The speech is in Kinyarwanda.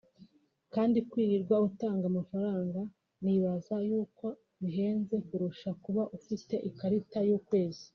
kandi kwirirwa utanga amafaranga nibaza y’uko bihenze kurusha kuba ufite ikarita y’ukwezi